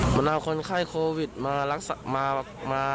มันเอาคนไข้โควิดมากักตัวอยู่ที่นี่๑๔วัน